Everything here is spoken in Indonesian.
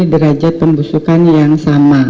derajat pembusukan yang sama